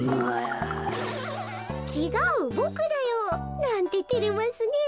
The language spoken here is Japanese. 「ちがうボクだよ」なんててれますねえ。